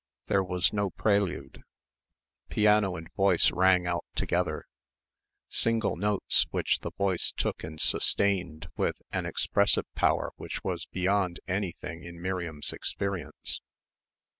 There was no prelude. Piano and voice rang out together single notes which the voice took and sustained with an expressive power which was beyond anything in Miriam's experience.